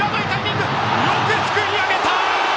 よくすくい上げた！